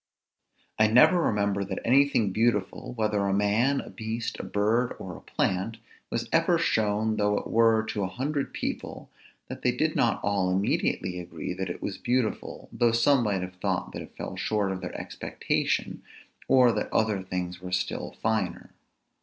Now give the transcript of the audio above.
I never remember that anything beautiful, whether a man, a beast, a bird, or a plant, was ever shown, though it were to a hundred people, that they did not all immediately agree that it was beautiful, though some might have thought that it fell short of their expectation, or that other things were still finer.